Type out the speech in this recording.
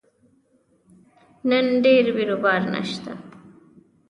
نن ډېر بیروبار نشته